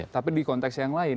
tapi di konteks yang lain